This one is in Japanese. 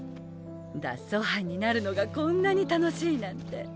脱走犯になるのがこんなに楽しいなんて。